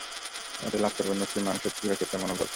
এবং লাভ করবেন মুসলিম মানসের দৃঢ়চেতা মনোবল।